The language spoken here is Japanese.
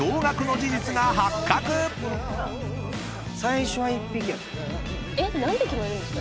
最初は１匹やった。